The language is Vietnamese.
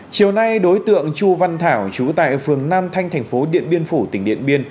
chiều nay đối tượng chu văn thảo chú tại phường nam thanh thành phố điện biên phủ tỉnh điện biên